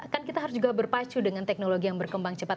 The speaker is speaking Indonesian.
kan kita harus juga berpacu dengan teknologi yang berkembang cepat